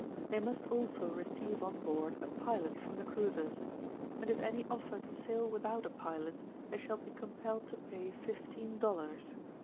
They must also receive on board a pilot from the cruizers; and if any oner to sail without a pilot, they shall be compelled to pa^ 15 dollars.